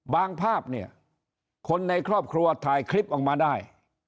ภาพเนี่ยคนในครอบครัวถ่ายคลิปออกมาได้